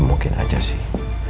ya mungkin aja sih